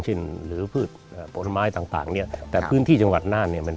หรือพืชโปรดไม้ต่างเนี้ยแต่พื้นที่จังหวัดน่าเนี้ยเป็น